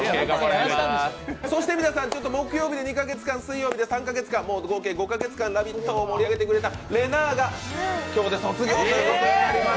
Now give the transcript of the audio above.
そして皆さん、木曜日で２ヶ月間、水曜日で３カ月、もう５カ月間「ラヴィット！」を盛り上げてくれたれなぁが今日で卒業ということになります。